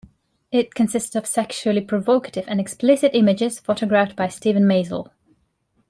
It consisted of sexually provocative and explicit images, photographed by Steven Meisel.